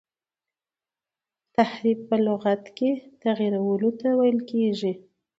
تحریف په لغت کي تغیرولو ته ویل کیږي.